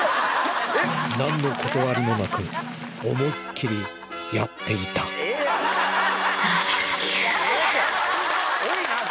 何の断りもなく思いっきりやっていたええって！